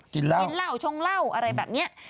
กินเหล้าชงเหล้าอะไรแบบนี้